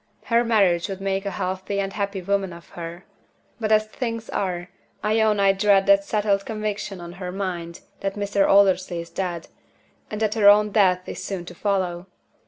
Her marriage would make a healthy and a happy woman of her. But as things are, I own I dread that settled conviction in her mind that Mr. Aldersley is dead, and that her own death is soon to follow.